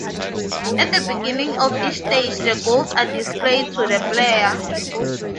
At the beginning of each stage the goals are displayed to the player.